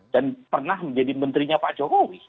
dan pernah menjadi menterinya pak jokowi